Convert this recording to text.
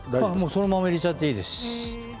そのまま入れちゃっていいです。